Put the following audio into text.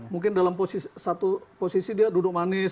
mungkin dalam satu posisi dia duduk manis